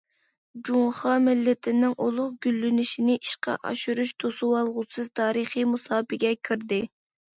جۇڭخۇا مىللىتىنىڭ ئۇلۇغ گۈللىنىشىنى ئىشقا ئاشۇرۇش توسۇۋالغۇسىز تارىخىي مۇساپىگە كىردى.